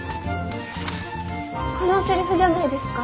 このセリフじゃないですか？